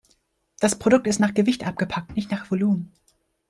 Das Produkt ist nach Gewicht abgepackt, nicht nach Volumen.